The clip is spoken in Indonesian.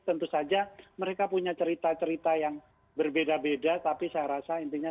tentu saja mereka punya cerita cerita yang berbeda beda tapi saya rasa intinya